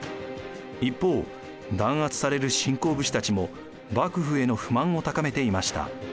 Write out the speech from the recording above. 一方弾圧される新興武士たちも幕府への不満を高めていました。